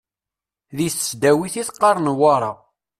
Di tesdawit i teqqar Newwara.